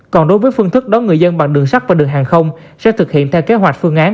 còn đối với phương thức đón người dân bằng đường sắt và đường hàng không sẽ thực hiện theo kế hoạch phương án